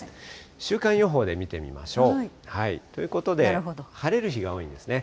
週間予報で見てみましょう。ということで、晴れる日が多いんですね。